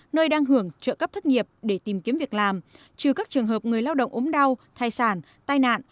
nơi đang hưởng trợ cấp thất nghiệp để tìm kiếm việc làm trừ các trường hợp người lao động ốm đau thai sản tai nạn